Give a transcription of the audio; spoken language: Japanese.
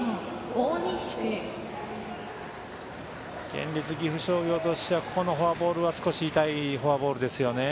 県立岐阜商業としてはこのフォアボールは少し痛いフォアボールですよね。